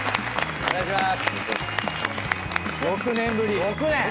お願いしまーす。